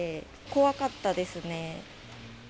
怖かったですね。